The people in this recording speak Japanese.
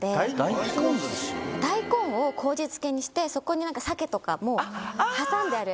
大根を麹漬けにしてそこにサケとかも挟んであるやつで。